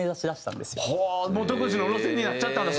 もう独自の路線になっちゃったんだ